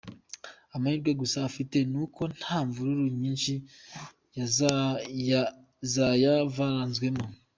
Amahirwe gusa afite n’uko nta mvururu nyinshi zayaranzwemo !